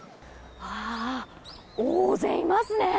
大勢いますね。